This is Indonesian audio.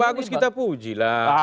bagus kita puji lah